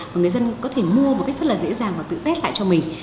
và người dân có thể mua một cách rất là dễ dàng và tự tết lại cho mình